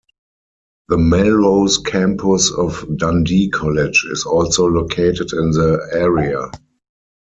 The Melrose Campus of Dundee College is also located in the area.